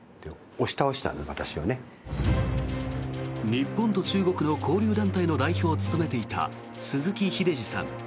日本と中国の交流団体の代表を務めていた鈴木英司さん。